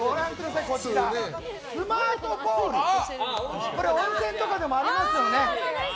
こちら、スマートボールという温泉とかでもありますよね。